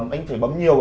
anh phải bấm nhiều